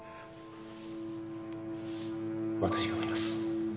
私がおります。